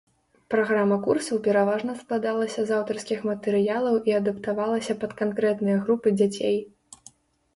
Праграма курсаў пераважна складалася з аўтарскіх матэрыялаў і адаптавалася пад канкрэтныя групы дзяцей.